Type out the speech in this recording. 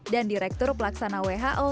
dan direktur pelaksana who